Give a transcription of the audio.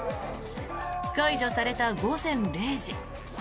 解除された午前０時。